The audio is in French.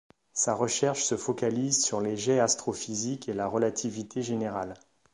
Sa recherche se focalise sur les jets astrophysiques et la relativité générale.